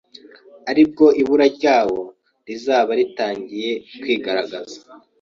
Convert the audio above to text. ari bwo ibura ryawo rizaba ritangiye kwigaragaza